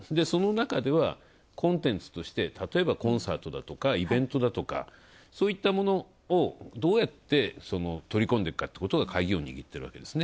そのなかでは、コンテンツとしてたとえばコンサートだとかイベントだとか、そういったものをどうやって取り込んでいくかがカギを握っている。